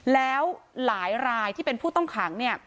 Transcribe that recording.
แล้วหลายรายที่เป็นผู้ต้องขังเนี่ย